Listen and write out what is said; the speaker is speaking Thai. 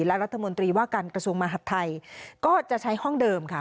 และรัฐมนตรีว่าการกระทรวงมหัฐไทยก็จะใช้ห้องเดิมค่ะ